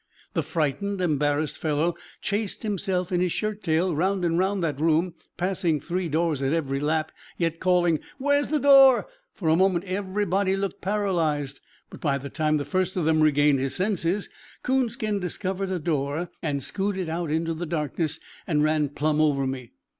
The frightened, embarrassed fellow chased himself in his shirt tail round and round that room, passing three doors at every lap, yet calling: "Where's th' door?" For a moment everybody looked paralyzed. But by the time the first of them regained his senses, Coonskin discovered a door and scooted out into the darkness, and ran plumb over me.